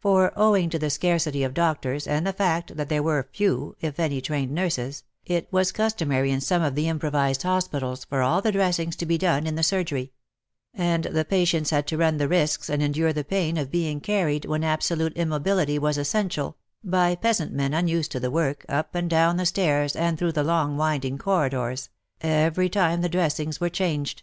For, owing to the scarcity of doctors and the fact that there were few, if any, trained nurses, it was customary in some of the improvized hospitals for all the dressings to be done in the surgery ; and the patients had to run the risks and endure the pain of being carried, when absolute immobility was essential, by peasant men unused to the work, up and down the stairs and through the long winding corridors, every time the dressings were changed.